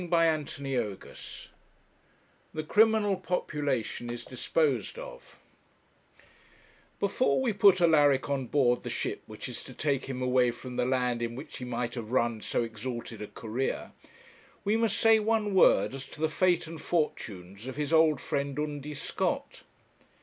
CHAPTER XLIV THE CRIMINAL POPULATION IS DISPOSED OF Before we put Alaric on board the ship which is to take him away from the land in which he might have run so exalted a career, we must say one word as to the fate and fortunes of his old friend Undy Scott.